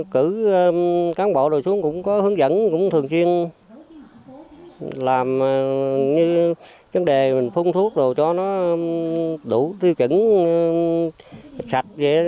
cử cán bộ rồi xuống cũng có hướng dẫn cũng thường xuyên làm như vấn đề mình phun thuốc rồi cho nó đủ tiêu chuẩn sạch